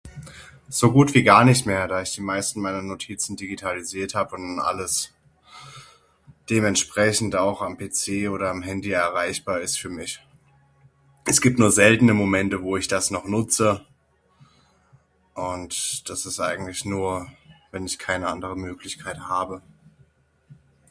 So gut wie gar nicht mehr, da ich die meisten meiner Notizen digitalisiert hab und alles dementsprechend auch am PC oder am Handy erreichbar ist für mich. Es gibt nur seltene Momente wo ich das noch Nutze und das ist eigentlich nur, wenn ich keine andere Möglichkeit habe.